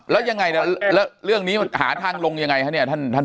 แล้วยังไงเนี่ยและเรื่องนี้หาทางลงยังไงนะเนี่ยท่าน